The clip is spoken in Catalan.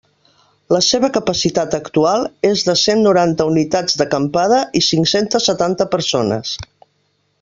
La seva capacitat actual és de cent noranta unitats d'acampada i cinc-centes setanta persones.